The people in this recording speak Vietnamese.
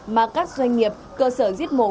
mà các doanh nghiệp cơ sở diết mổ